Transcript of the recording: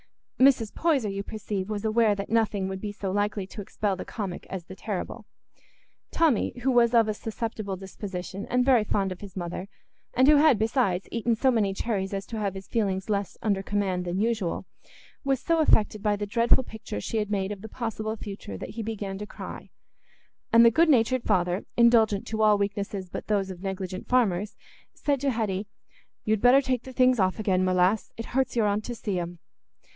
Mrs. Poyser, you perceive, was aware that nothing would be so likely to expel the comic as the terrible. Tommy, who was of a susceptible disposition, and very fond of his mother, and who had, besides, eaten so many cherries as to have his feelings less under command than usual, was so affected by the dreadful picture she had made of the possible future that he began to cry; and the good natured father, indulgent to all weaknesses but those of negligent farmers, said to Hetty, "You'd better take the things off again, my lass; it hurts your aunt to see 'em."